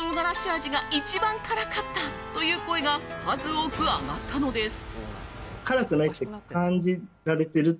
味が一番辛かったという声が数多く上がったのです。